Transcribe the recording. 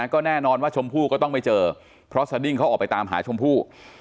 ก็แน่นอนว่าชมพู่ก็ต้องไม่เจอเพราะสดิ้งเขาออกไปตามหาชมพู่